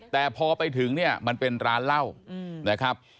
แต่พอไปถึงเนี่ยมันเป็นร้านเหล้านะครับ